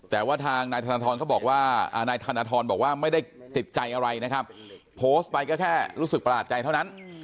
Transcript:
แต่ว่าทางนายธนทรก็บอกว่านายธนทรบอกว่าไม่ได้ติดใจอะไรนะครับโพสต์ไปก็แค่รู้สึกประหลาดใจเท่านั้น